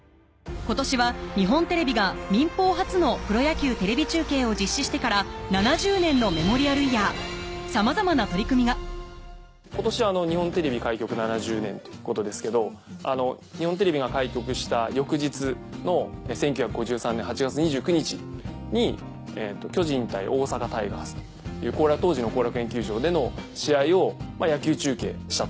今年は日本テレビが民放初のプロ野球テレビ中継を実施してから７０年のメモリアルイヤーさまざまな取り組みが今年日本テレビ開局７０年ということですけど日本テレビが開局した翌日の１９５３年８月２９日に巨人対大阪タイガースという当時の後楽園球場での試合を野球中継したと。